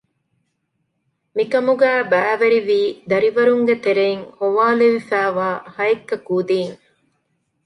މިކަމުގައި ބައިވެރިވީ ދަރިވަރުންގެ ތެރެއިން ހޮވާލެވިފައިވާ ހައެއްކަ ކުދީން